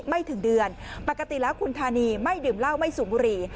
ไม่ถึงเดือนปกติแล้วคุณธานีไม่ดื่มเหล้าไม่สูบบุหรี่